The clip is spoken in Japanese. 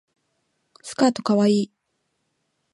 スカートかわいい